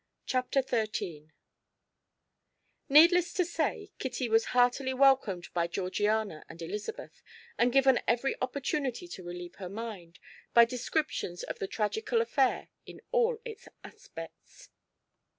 Chapter XIII Needless to say, Kitty was heartily welcomed by Georgiana and Elizabeth, and given every opportunity to relieve her mind by descriptions of the tragical affair in all its aspects.